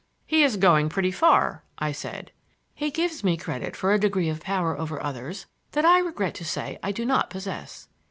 "He is going pretty far," I said. "He gives me credit for a degree of power over others that I regret to say I do not possess.